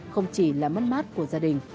không chỉ là mất mát của gia đình